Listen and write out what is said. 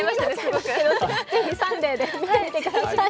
ぜひ「サンデー」で見てください。